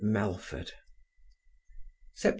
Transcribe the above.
MELFORD Sept.